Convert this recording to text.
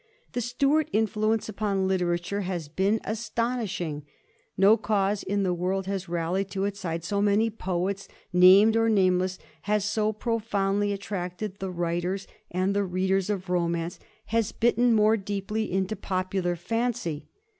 The Stuart influence upon literature has been astonishing. No cause in the world has rallied to its side so many poets, named or nameless, has so profoundly attracted the writ ers and the readers of romance, has bitten more deeply 1745 1889. THE STUART CnARM. 235 into popular fancy.